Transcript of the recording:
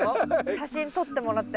写真撮ってもらっても。